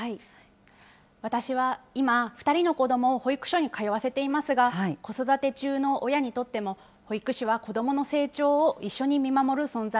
私は今、２人の子どもを保育所に通わせていますが、子育て中の親にとっても、保育士は子ども本当そうですよね。